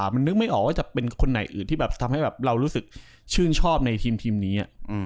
มันนึกไม่ออกว่าจะเป็นคนไหนอื่นที่แบบทำให้เรารู้สึกชื่นชอบในทีมนี้